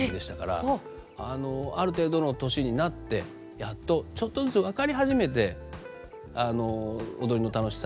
ある程度の年になってやっとちょっとずつ分かり始めて踊りの楽しさ